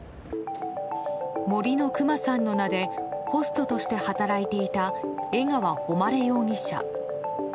森のくまさんの名でホストとして働いていた江川誉容疑者。